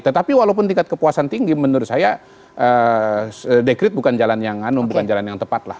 tetapi walaupun tingkat kepuasan tinggi menurut saya dekret bukan jalan yang anu bukan jalan yang tepat lah